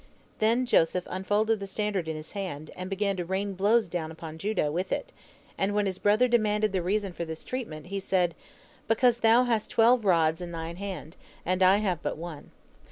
Then Joseph unfolded the standard in his hand, and began to rain blows down upon Judah with it, and when his brother demanded the reason for this treatment, he said, 'Because thou hast twelve rods in thine hand, and I have but one.